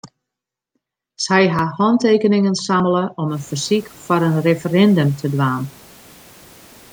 Sy ha hantekeningen sammele om in fersyk foar in referindum te dwaan.